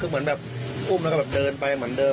คือเหมือนแบบอุ้มแล้วก็แบบเดินไปเหมือนเดิ